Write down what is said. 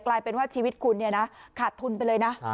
กลายเป็นว่าชีวิตคุณเนี่ยนะขาดทุนไปเลยนะ